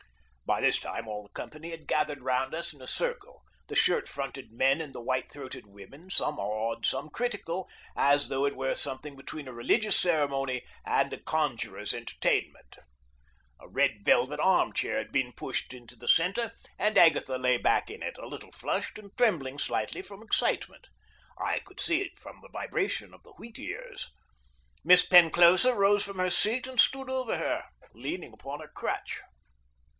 By this time all the company had gathered round us in a circle, the shirt fronted men, and the white throated women, some awed, some critical, as though it were something between a religious ceremony and a conjurer's entertainment. A red velvet arm chair had been pushed into the centre, and Agatha lay back in it, a little flushed and trembling slightly from excitement. I could see it from the vibration of the wheat ears. Miss Penclosa rose from her seat and stood over her, leaning upon her crutch.